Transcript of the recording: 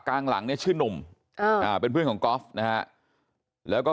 กลางหลังเนี่ยชื่อนุ่มเป็นเพื่อนของกอล์ฟนะฮะแล้วก็